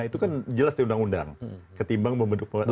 itu kan jelas di undang undang ketimbang membentuk